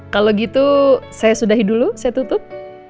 kalau gitu saya sudahi dulu saya tutup